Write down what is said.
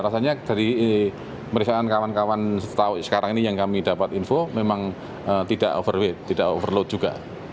rasanya dari pemeriksaan kawan kawan setahu sekarang ini yang kami dapat info memang tidak overweight tidak overload juga